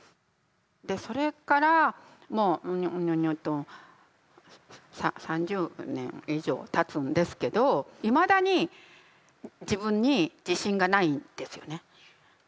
でそれからもう３０年以上たつんですけどいまだに自分に自信がないんですよね。